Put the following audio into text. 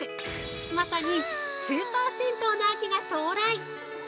まさにスーパー銭湯の秋が到来！